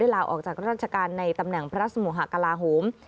ลาออกจากราชการในตำแหน่งพระสมุหากลาโหม